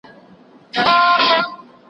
ما مخکي د سبا لپاره د سوالونو جواب ورکړی وو!.